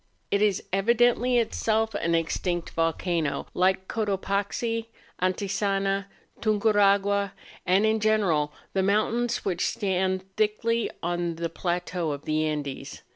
It is evidently itself an extinct volcano, like Cotopaxi, Antisana, Tunguragua, and in ge¬ neral the mountains which stand thickly on the plateaux of the Andes.